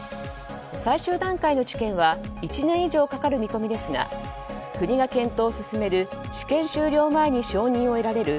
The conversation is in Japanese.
最終段階の治験は１年以上かかる見込みですが国が検討を進める治験終了前に承認を得られる